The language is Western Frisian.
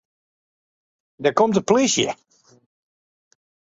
Dêr komt de polysje.